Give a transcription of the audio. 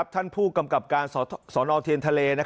ท่านผู้กำกับการสนเทียนทะเล